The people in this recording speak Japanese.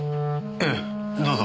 ええどうぞ。